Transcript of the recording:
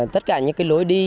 tất cả những cái lối đi